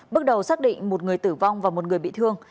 bước đầu xác định một người tử vong và một người bị thương